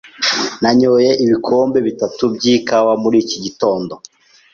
Nanyoye ibikombe bitatu by'ikawa muri iki gitondo.